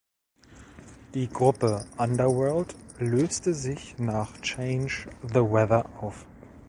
Die Gruppe Underworld löste sich nach "Change the Weather" auf.